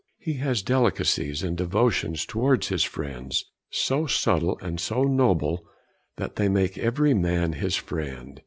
He has delicacies and devotions towards his friends, so subtle and so noble that they make every man his friend.